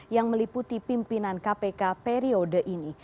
yang meliputi pimpinan kpk periode ini